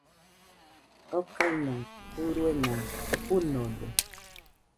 Okaina uruena fɨnode.